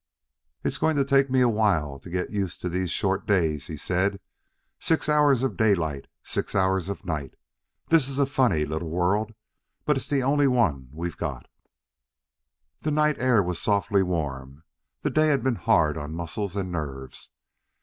"It's going to take me a while to get used to these short days," he said. "Six hours of daylight; six hours of night. This is a funny, little world but it's the only one we've got." The night air was softly warm; the day had been hard on muscles and nerves.